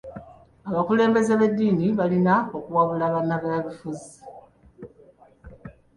Abakulembeze b'ediini balina okuwabula banabyabufuzi.